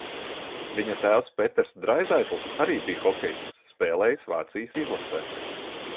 Viņa tēvs Peters Draizaitls arī bija hokejists, spēlējis Vācijas izlasē.